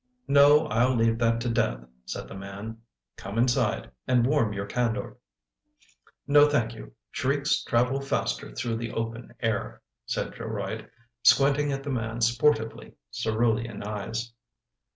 " No, I'll leave that to death," said the man. " Come inside and warm your candour." " No, thank you, shrieks travel faster through the open air," said Geroid, squinting at the man's sportively cerulean eyes.